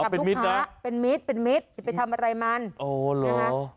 อ๋อเป็นมิตรนะเป็นมิตรเป็นมิตรจะไปทำอะไรมันโอ้เหรอ